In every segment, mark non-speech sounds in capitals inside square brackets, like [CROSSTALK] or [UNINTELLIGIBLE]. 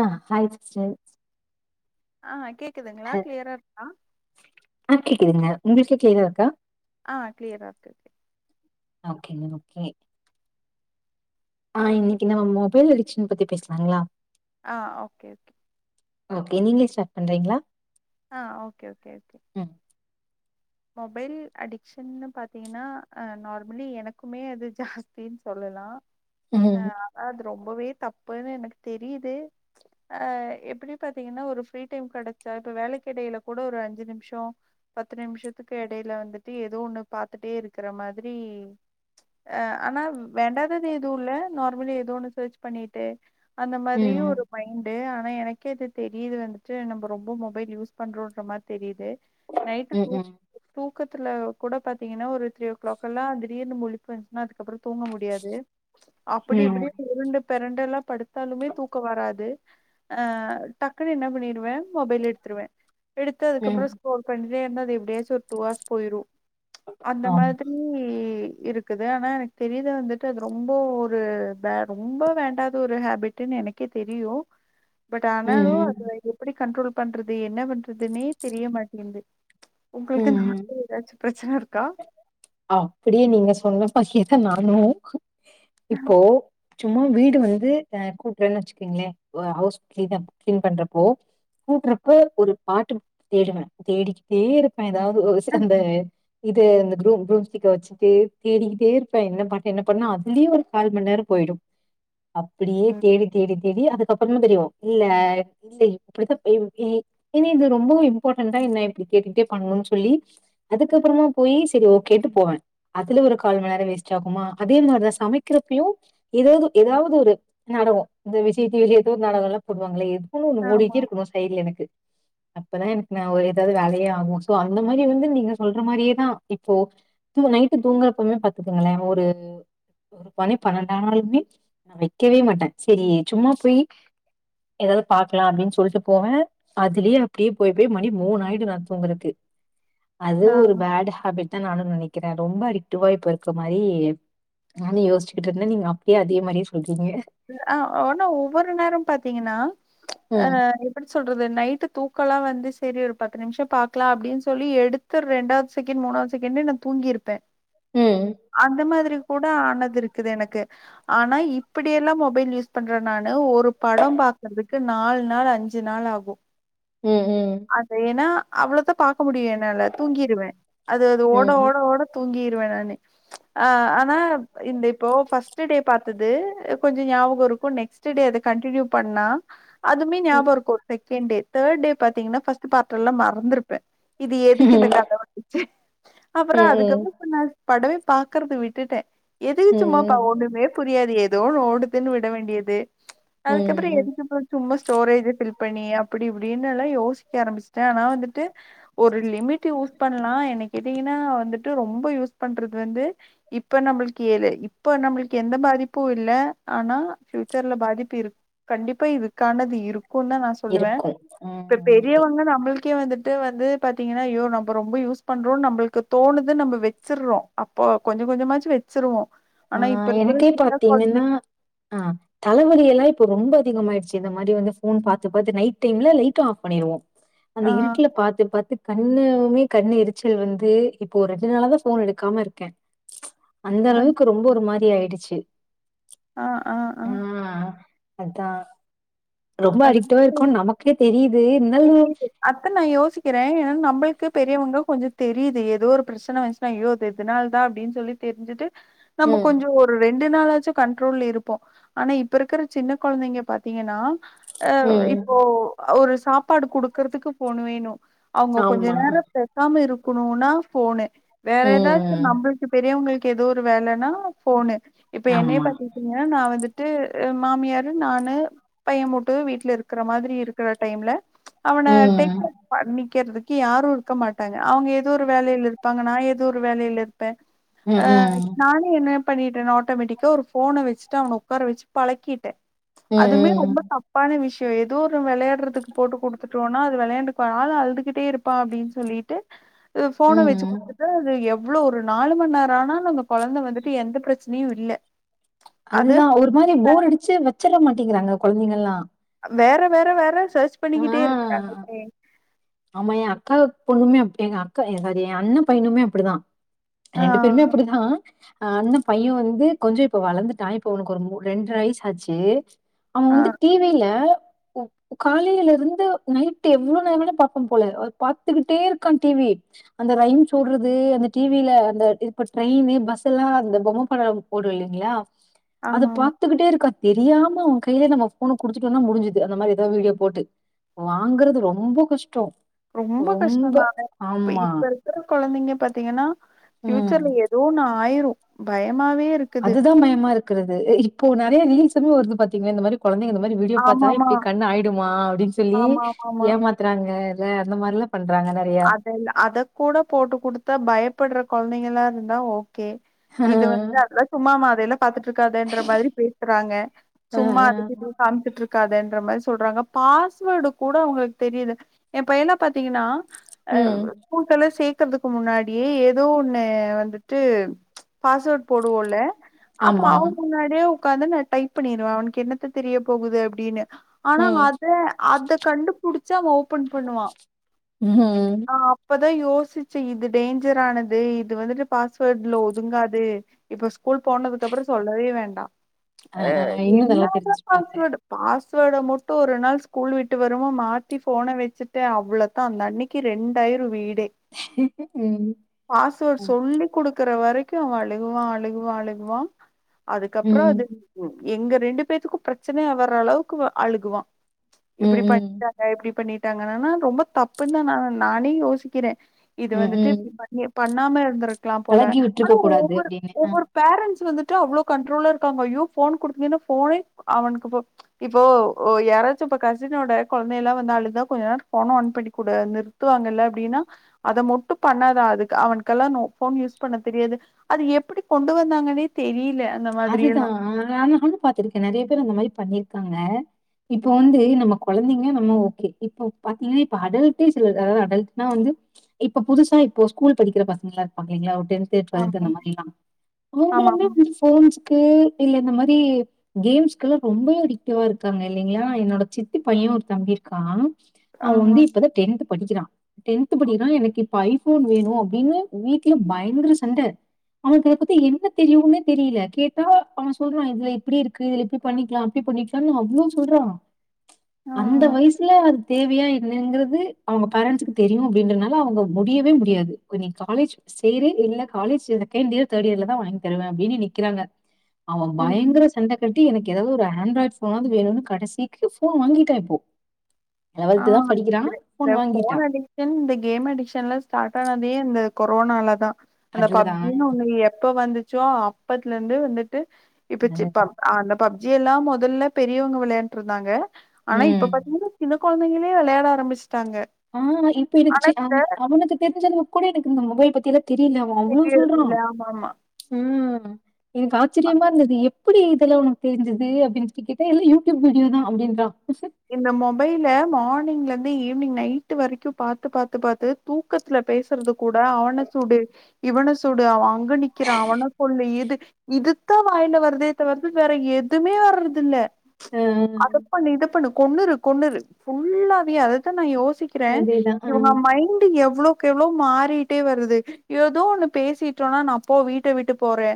ஆ hi sister. ஆ கேக்குதுங்ளா கிளியரா இருக்கா க்குதுங்க உங்களுக்கு க்ளியரா இருக்கா ஆ கிளியரா இருக்கு ஓகேங்க ஓக்கே ஆ ஓகே ஓகே இன்னைக்கு நம்ம மொபைல் அடிக்ஷன் பத்தி பேசலாங்ளா ஆ ஓகே ஓகே ஓகே நீங்களே ஸ்டார்ட் பண்றிங்ளா ஆ ஓகே ஓகே ஓகே மொபைல் அடிக்க்ஷன்னு பாத்திங்கனா அ நார்மலி எனக்குமே அது ஜாஸ்தின் சொல்லலா அ ம். அ அது ரொம்பவே தப்புன்னு எனக்கு தெரிது ஆ எப்பிடி பாத்தீங்கன்னா ஒரு ஃப்ரீ டைம் கெடைச்சா இப்ப வேலைக்கெடையில கூட ஒரு அஞ்சு நிமிஷோ பத்து நிமிஷோ இதுக்கு எடைல வந்துட்டு ஏதோ ஒண்ணு பாத்துட்டே இருக்கற மாதிரி அ ஆனா வேண்டாதது எதுவும் இல்ல நார்மலி ஏதோ ஒண்ணு சர்ச் பண்ணிட்டு அந்த மாதிரியு ம். ஒரு மைண்டு ஆனா எனக்கே இது தெரியது வந்துட்டு நம்ம ரொம்ப மொபைல் யூஸ் பண்றோன்ற மாதிரி தெரியுது நைட்டு ம். தூக் ம். தூக்கத்துல கூட பாத்தீங்கன்னா ஒரு த்ரீ ஓ கிளாக்கெலா திடீர் னு முழிப்பு வந்சுனா அதுக்கப்புறோ தூங்க முடியாது அப்படி ம். இப்படினு உருண்டு பெரண்டெல்லா படுத்தாலுமே தூக்கொ வராது ஆ டக்குன்னு என்ன பண்ணிடுவேன் மொபைல் எடுத்துருவ எடுத்து ம். அதுக்கப்புறோ ஸ்க்ரோல் பண்ணி ஏ என்னது இப்டியே சொல் டூ ஹார்ஸ் போயிரும் அந்த ஆமா. மாதிரி இருக்குது ஆனா எனக்கு தெரிது வந்துட்டு அது ரொம்போ ஒரு வே ரொம்ப வேண்டாத ஒரு ஹேபிட்டுன்னு எனக்கே தெரியோ பட் ம். ஆனாலு அது ம். எப்படி கண்ட்ரோல் பண்றது என்ன பண்றதுன்னே தெரிய மாட்டேன்து ம் ம் அப்படியே நீங்க சொன்ன பாக்கிய நானோ இப்போ சும்மா வீடு வந்து அ கூட்றன்னு வெச்சுக்குங்களே ஒ ஹவுஸ் கீளீன் பண்றப்போ கூட்றப்போ ஒரு பாட்டு தேடுவ தேடிகிட்டே இருப் அ ஏதாவத் ஓ ஓ ஓ செந்த இது இந்த குரூம் குரூம்ஸ்டிக்க வெச்சுட்டு தேடிகிட்டே இருப்பே என்ன பாட்டு என்ன பண்ணா அதுலயு ஒரு கால் மணி நேரோ போயிடோ அப்படியே ம். தேடி தேடி தேடி அதுக்கப்புறந்தா தெரியு இல்ல இல்ல இப்படித்தா இ இது இது ரொம்பவு இம்பாட்டண்டா என்ன இப்படி கேட்டுட்டே பண்நொன்னு சொல்லி அதுக்கப்புறமா போயி சரி ஓ கேட்டு போவே அதுல ஒரு கால் மணிநேரொ வேஸ்ட் ஆகுமா அதே மாதிரிதா சமைக்கிறப்பயு ஏதாவது ஏதாவது ஒரு நாடகோ இந்த விஜய் டீ வி ஏதோ ஒரு நாடகோலா போடுவாங்கள்ல ஏத் வோ ஒன்னு ஓடிட்டே ஆமா. இருக்கணோ சைடுல எனக்கு அப்பதா எனக்கு நா ஒரு ஏதாவது வேலையே ஆகோ சோ அந்த மாரி வந்து நீங்க சொல்ற மாரியேதா இப்போ தூ நைட்டு தூங்குறப்பமே பாத்துக்கங்களே ஒரு ஒரு பனி பன்னண்டு ஆநாளுமே நா வெக்கவே மாட்ட சரி சும்மா போயி ஏதாவது பாக்கலா அப்டின்னு சொல்ட்டு போவ அதுலேயே அப்படியே போய் போய் மணி மூணாயிடோ நா தூங்கறதுக்கு அது நான் ஒரு பேட் ஹேபிட் தா நானோ நெனைக் ரொம்ப அட்டிக்டிவா இப்ப இருக்க மாரி நானு யோசிச்சுகிட்டு இருந்த நீங்க அப்படியே அதே மாரியே சொல்றீங் ஆ ஒனா ஒவ்வொரு நேரோ பாத்தீங்கன்னா ம் ஆஹ் இப்படி சொல்றது நைட்டு தூக்கலாம் வந்து செரி ஒரு பத்து நிமிஷோ பாக்கலாம் அப்படின்னு சொல்லி எடுத்து ரெண்டாவது செகண்ட் மூணாவது செகண்டே நான் தூங்கிருப்பேன் ம் அந்த மாதிரி கூட ஆனது இருக்குது எனக்கு ஆனா இப் இப்டியெல்லாம் மொபைல் யூஸ் பண்ற நல ஒரு படம் பாக்குறதுக்கு நாலு நாள் அஞ்சு நாள் ஆகும் ம் ம் அது ஏன்னா அவ்ளதான் பாக்க முடியன் நல தூங்கிடுவேன் அது அது ஓட ஓ ம் ஓட தூங்கி வேண ஆனா இந்த இப்போ ஃபஸ்ட் டே பார்த்தது கொஞ்சோ ஞாபகம் இருக்கும் நெக்ஸ்ட் டே அத கண்டினியூ பண்ணா அது மே நெயாபக இருக்கு [UNINTELLIGIBLE] செகண் டே தேர்ட் டே பாத்தீங்கன்னா ஃபஸ்ட் பார்ட எல்லாம் மறந்துருபேன் இது எதுக்கு இந்த ம் கத வந்துச்சு அப்பற ம் அதுக்கப்பு சொன்னாரு படல் பாக்குறது விட்டுட்டே எதுக்குச்சும்மாப்பா ம் ஒண்ணுமே புரியாது எது தோ ஓடு து னு விட வேண்டியது அதுக்கப்பறோ ம் எதுக்குப்ப சும்மா ஸ்டோரேஜ் ஃபில் பண்ணி அப்படி இப்படின்னு எல்லாம் யோசிக்க ஆரம்பிச்சட்டேன் ஆனா வந்துட்டு ஒரு லிமிட் யூஸ் பண்ணலா என கேட்டீங்கன்னா வந்துட்டு ரொம்ப யூஸ் பண்றது வந்து இப்ப நம்மளுக்கு ஏ இப்ப நம்மளுக்கு எந்த பாதிப் இல்ல ஆனா ஃபியூச்சர்ல பாதிப்பு இரு கண்டிப்பா இருக்கணது இருக்கும் இருக்கு தான் நான் சொல்லுவேன் இருக்கு இப்ப ம் பெரியவங்க நம்மளுக் கே வந்துட்டு வந்து பாத்தீங்கன்னா ஐயோ நம்ம ரொம்ப யூஸ் பண்றோம் நம்மளுக்கு தோணுது நம்ம வச்சடுறோம் அப்போ கொஞ்சம் கொஞ்சமாச்சு வச்சிருவோம் ஆ ஆனா இப்ப இருக்கிற எனக்கே சின்ன பாத்தீங்கன்னா கொழந்தைங்க ஆஹ் தலைவலி எல்லாம் இப்ப ரொம்ப அதிகமாயிடுச்சு இந்த மாரி வந்து போன் பார்த்த பார்த்த நைட் டைம்ல லைடும் ஆஃப் பண்ணிருவோம் அந்த ஆ இருட்டுல பாத்து பாத்து கண்ணுமே கண்ணு எரிச்சல் வந்து இப்போ ரெண்டு நாளாதான் போன் எடுக்காம இருக்கேன் அந்தருவு ரொம்ப ஒரு மாரி ஆயிடுச்சு ஆஹ் ஆஹ் ஆ ஆஹ் அதான் ரொம்ப அடிக்டவா இருக்கும் நமக்கே தெரிய செரி அத்தான் யோசிக்கிறேன் ஏன்னா நம்பளுக்கு பெரியவங்க கொஞ்சோ தெரியுது ஏதோ ஒரு பிரச்சன வந்சுனா ஐய்யோ இதனால தான் அப்படின்னு சொல்லி தெரிஞ்சுட்டு நம்ப ம், கொஞ்ச ஒரு ரெண்டு நாளா கொஞ்ச கண்ட்ரோல்ல இருப்போ ஆனா இப்ப இருக்கிற சின்ன கெழந்திங்க பாத்தீங்கன்னா அ ம். இப்போ ஒரு சாப்பாடு குடுகுறதுக்கு போன் வேணு அவங்க கொஞ்ச ஆமா. நேரம் பேசாம இருப் இருக்கணுனா போனு வேற எதாச்சு ம். நம்பளுக்கு பெரியவங்களுக்கு கு எதோ ஒரு வேலன்னா போனு இப்ப என்னய ஆமா. பாத்துகிட்டீங்கன்னா நா வந்துட் வந்ட்டு மாமியார் நானு பைய மட்டு வீட்ல இருக்கிற மாரி இருக்கிற டைம்ல அவன டேக் ம். கேர் பண்ணி க்கிறதுக்கு யாரும் இருக்க மாட்டாங்க அவங்க எதோ ஒரு வேலைல இருப்பாங்க நா எதோ ஒரு வேலைல இருப் ப்ப ம். ஆஹ் ம். நானே என்ன பண்ணிட்டனா ஆட்டோமேட்டிக்கா ஒரு போன வெச்சுட்டு அவன உட்கார வெச்சு பழக்கீட்ட ம். அதுமே ம். ரொம்ப தப்பான விஷ ஏதோ ஒரு விளயாடுறது போட்டு குடுத்துடோனா அது விளையாண் இப்பனால அழுதுகிட்டே இருப்பா அப்டின்னு சொல்லிட்டு போன வெச்சு ம். குடுத்துட்ட அது எப் எவ்ளோ ஒரு நாலு மணிநேர ஆனாலு அந்த கெழந்த வந்துட்டு எந்த பிரச்சனயு இல்ல அது அதுதா ஒரு மாரி போர் அடிச்சு வெச்சர மாட்டிங்குறாங்க கெழந்தைங்கலா வேற வேற வேற சர்ச் பண்ணிகிட்டே இருக்காங்களே ஆமா என் அக்கா பொண்ணுமே அப்டி தா எங்க அண்ண பையனுமே அப்டிதா ஆ, ரெண்டு பேருமே அப்டிதா ஹ் அண்ண பைய வந்து கொஞ்ச இப்ப வளந்துட்டா இப்ப அவனுக்கு ஒரு ரெண்டர வயசு ஆச்சு அவன் ஆ. வந்து டிவில ஓக் காலிலருந்து நைட் எவ்ளோ நேரம் பாப்பான் போல பாத்துகிட்டே இருக்கா டிவி அந்த ரைம்ஸ் ஒடுறது அந்த டிவில அந்த இப்ப ட்ரெயினு பஸ்சுலாம் அந்த பொம்ம பட போடுவீங்களா அத ஆமாமா. பாத்துகிட்டே இருக்கா தெரியாம அவுங்க கையில நம்ம போன்ன குடுத்துட்டோனா முடிஞ்சுது அந்த மாரி எதாவ் விடியோ போட்டு வாங்குறது ரொம்ப கஷ்டோ ரொம்ப கஷ்ட தானே இப்ப இப்ப இருக்கிற கொழந்திங்க பாத்தீங்கன்னா ம். ப்யூச்சர்ல ஏதோ நா ஆயுரு பய ஏமாவே இருக்குது து இப்போ நிறைய ரீல்ஸ்மே வருது பாத்தீங்க இந்த மாதிரி கொழந்தைங்க இந்த மாதிரி வீடியோ பார்த்தாவே ஆமாமா, இப்படி கண்ணாயிடுமா அப்படின்னு சொல்லி ஏமாத்துறாங்க இல்ல அந்த மாதிரிலாப் அதலா அதக்கூடப் போட்டு கொடுத்தா பயப்படுற கொழந்தைகளா இருந்தா ஓ கே அ, இது வந்து அதெல்ல சும்மாமா அதையெல்லா பாத்துட்டு இருக்காதன்ற மாதரி பேசுறாங்க அ. சும்மா அதுக்குயிதுக்குனு மிச்சுட்டு இரு இருக்காதுன்ற மாதிரி சொல்றாங்க பாஸ்வேர்டு கூட அவங்களுக்கு தெரியுது ஏ பையன பாத்தீங்கன்னா அ ம். கூக்கல சேக் இருக்கதுக்கு முன்னாடியே ஏதோ ஒண்ணு வந்துட்டு பாஸ்வேர்ட் போடுவோம்ல அப்பா ஆமா. அவங்க முன்னாடியே உட்காந்து நா டைப் பண்ணிருவ அவனுக்கு என்னத்த தெரிய போகுது அப்படின்னு ஆனா ம். அத அத கண்டுபிடிச்சு அவ ஓபன் பண்ணுவா ம் தா யோசிச் இது டேஞ்சர்ரானது இது வந்துட்டு பாஸ்வேர்ட்டு ஒதுங்காது இப்ப ஸ் ஸ்கூல் போனதுக்கப்பபொறம் சொல்லவே வேண்ட டா அ, ஏ அ. இன்னும் நல்லா என்னதா தெரிஞ்சுப்பாங்க. பாஸ்வேர்டு பாஸ் இதோட முட்டு ஒரு நாள் ஸ்கூல் விட்டு வருமோ மாத்தி போன வச்சுட்டே அவ்வளோதா ந அன்னிக்கு க்கு ரண்டாயிரம் வீ ம். பாஸ்வேர்ட் ம். சொல்லி் கொடு இருக்கிற வரைக்கு அவ அழுகுவா அழுகுவா அழுகுவா அதுக்கப்பொற அது ம். எங்க ரெண்டு பேத்துக்கு பிரச்சனைையா வர்ர அளவுக்கு அழுகுவா இப்படி ம். பண்ணிட்டாங்க இப்படி பண்ணி நா என்னா னா ரொம்ப தப்பு தா நா நானே யோசிக்கிறே இது வந்துட்டு இப்படி ம். பண்ணி பண்ணாம இருந்து இருக்கலாம்போல பழகி விட்டுருக்க ஆனா கூடாது ஒவ்வொரு அப்டின்னு. அ ஒவ்வொரு பேரண்ட்ஸ்ம் வந்துட்டு இட்ரோ அவ்ளோ கண்ட்ரோல இருக்காங்க அய்யோ போன் குடுத்தீங்கன்னா போனயே அவனுக்குபோ இப்போ ஓ யாராச்சும்போ கசினோட குளந்தைல்லா வந்து அழுதா கொஞ்சநேர போன் ஆன் பன்னிக்கொடு சுத்துவாங்கல்ல அப்டின்னா அத மட்டும் பண்ணாதா அதுக்கு அவனுக்கெல்லா போன் யூஸ் பண்ண தெரியாது அது எப்படி கொண்டு வந்தாங்கன்னே தெரியல அந்த மாதிரி அதுதா எல்லா நானு பாத்திருக்கே நெறைய பேர் அந்த மாரி பண்ணிரு க்காங்க இப்ப வந்து நம்ம கொளந்தைங்க நம்ம ஓகே இப்ப பாத்தீங்கன்னா இப்ப அடல்டே சில அதாது அடல்ட்டுனா வந்து இப்ப புதுசா இப்போ ஸ்கூல் படிக்கிற பசங்களா இருப்பாங்க இல்லங்களா டென்து ஆமா டுவெல்த் அந்த மாரி ஆமா ஆமா. [UNINTELLIGIBLE] [UNINTELLIGIBLE] இல்ல இந்த மாரி கேம்ஸ்க்கெல்லா ரொம்பவே அடிக்டிவா இருக்காங்க இல்லைங்களா என்னோட சித்தி பையன் ஒரு தம்பிருக்கா அவ ஆமா. வந்து இப்பதா டென்து படிக்கிறா டென்த் படிக்றான் எனக்கு இப் ப்போ ஐபோன் வேணு அப்டின்னு வீட்ல பயங்கர சண்ட அவனுக்கு அத பத்தி என்ன தெரியுனு தெரியல கேட்டா அவெ சொல்றான் இதுல இப்டி இருக்கு இதுல இப்படி பண்ணிக்கலா அப்படி பண்ணிக்கலானு அவ்ளோ சொல்றான் ஆ. அந்த வயசுல அது தேவையா என்னங்கிறது அவங்க பேரன்ட்ஸ்குக்கு தெரியும் அப்படின்றனால அவங்க முடியவே முடியாது நீ காலேஜ் சேரு இல்ல காலேஜ் செகண்ட்யியர் தேர்ட்யிர்ல தா வாங்கி தருவே அப்டின்னு நிக்குறாங்க அவன் ம். ம். பயங்கர சண்ட கட்டி எனக் ஏதாவது ஒரு ஆண்ட்ராய்ட் போனாவது வேணும்னு கடைசிக்கு போன் வாங்கிட்டா இப்போ தான் ஆஹ் இந்த படிக்கிறான். இந்த ஃபோன் போன் வாங்கிட்டான். அடிக்ஷன் இந்த கேம் அடிக்ஷன் எல்லா ஸ்டார்ட் ஆனதே இந்த கொரோனாலதா அந்த அதுலதான் பப்ஜினு ஒண்ணு எப்ப வந்துச் ச்சோ அப்பத்துல இருந்து வந்து டு இப்ப அதுதான். சிப்பாம் ஆஹ் அந்த பப் எல்லா முதல்ல பெரியவங்க விளையாண்ட்டு இருந்தாங்க ஆனா இப்ப ம். பாத்தீங்கன்னா சின்ன கொழந்தைங்களே விளையாட ஆரம்பிச்சு ஆஹ் இப்ப எனக்கு சி அம்ப அவனுக்கு தெரிஞ்சது கூட எனக்கு இந்த மொபைல் பத்திலா தெரியல அவ அவ்ளோ சொல்றான் தெரியறதில்ல. ஆமாமா. உம் உம் எனக்கு ஆச்சிரியமா இருந்தது எப் எப்டி இதெல்லா உனக்கு தெரி்ஞ்சுது அப்டின்னு கேட்ட எல்லா யூடியூப் வீடியோ தா அப்டின்றான் இந்த மொபைல மார்னிங்ல இருந்து ஈவினிங் நைட்டு வரைக்கும் பாத்து பாத்து பாத்து தூக்கத்துல பேசுறது கூட அவன சுடு இவன சூடு அவ அங் க நிக்கிறா அவன கொள்ளு இது இது தொ வாயில வருது தவருது வேற எதுவுமே வர்றது இல்ல ஆ அத பண்ணு இத பண்ணு கொண்ணுரு கொண்ணுரு ஃபுல்லாவே அதத்தா நா யோசி சிக்றே அதேதா ஆ இவுங்க மைண்ட் எவ் எவ்ளோக் எவ்ளோ மாறிட்டே வருது எதோ ஒண்ணு பேசிட்டோனா நா போ வீட்ட விட்டு போறே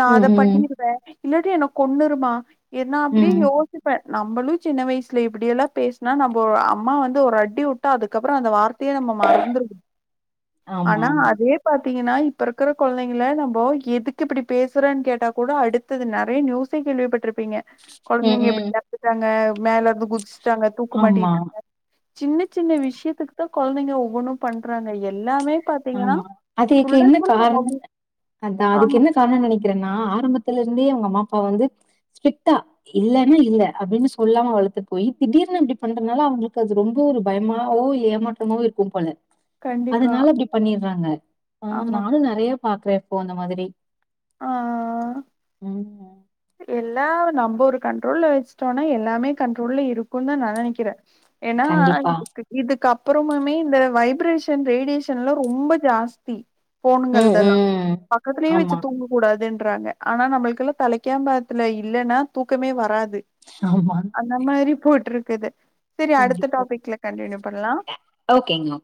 நா ம் அத ம் பண்ணிருவே இல்லாட்டி என்ன கொண்ணுருமா என்னா அப்டி ம் யோசிப்ப நம்பளு சின்னவயிஸ் ஸ்ல இப்டியெலா பேஸ்னா நம்பொ அம்மா வந்து ஒரு அடி வுட்டா அதுக்கப்ற அந்த வார்த் தயேநம்ப மறந்துறுவோ ஆமா ஆனா ஆமா அதே பாத்தீங்கன்னா இப்போருக்கிற கொழந்தைங்கள நம்போ எதுக்கு இப்டி பேசுறேன் கேட்டா கூட அடுத்தது நெறைய நியூஸே கேள்விப்பட்ரு ப்பீங்க ம் கொழந்தைங்க ம் இப்டி நடந்துக்காங்க மேல புக் புக்ஸ் காங்க தூக்கு ஆமா மாட்டிகிட்டு சின்னச் சின்ன விஷ்யத்துக்கு தா கொழந்தைங்க ஒவ்வொன்னு பண்றாங்க எல்லாமே பாத்தீங்கன்னா ஆமா அதுக்கு ஃபுல் என்ன அண்ட் ஃபுல் காரண் மொபைல். அதா அதுக்கு ஆமா என்ன காரணோனு நெனைக்கிறேன்னா ஆரம்பத்துலருந்தே அவுங்கம்மா ப வந்து ஸ்ட்ரிக்டா இல்லன்னா இல்ல அப்டினு சொல்லாம வளத்து போய் திடீர்னு இப்டி பண்றனால அவுங்குளுக்கு அது ரொம்ப ஒரு பயமாவூ ஏமாற்றமாவூ இருக்கூ போல கண்டிப்பா பண்ணிர்றாங்க ஆ ஆமா நானு நெறையப் பாக்குறே இப்போ அந்த மாதிரி ஆ ம் ஆ எல்லா நம்ம ஒரு கண்ட்ரோல்ல வச்சுட்டோன்னா எல்லாமே கண்ட்ரோல்ல இருக்குன்தா நா நினைக்கிறே ஏனா கண்டிப்பா இதுக்கு இதுக்கப் அப்றோ மாமி இந்த வைப்ரேஷன் ரேடியேஷன்லா ரொம்ப ஜாஸ்தி போனுங்க ம் இதெல்லா ம் பக்கத்திலேயே ஆமா வச்சுட்டு தூங்க கூடாது ட்றாங்க ஆனா நம்மளுக்குல்லா தலைக் கேம்பாக்த்துல இல்லன்னா தூக்கமே வராது ஆமா அந்த மாரி போட்ருக் கது செரி அடுத்த கண்டிப்பா டாபிக்ல கண்டினியூ பண்லா ஓகேங்க